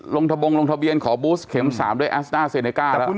ทะบงลงทะเบียนขอบูสเข็ม๓ด้วยแอสต้าเซเนก้าแล้ว